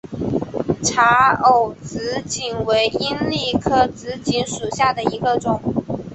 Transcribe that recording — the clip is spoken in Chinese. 察隅紫堇为罂粟科紫堇属下的一个种。